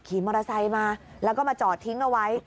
ขี่มอเตอร์ไซค์มาแล้วก็มาจอดทิ้งเอาไว้